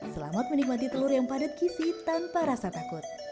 selamat menikmati telur yang padat kisi tanpa rasa takut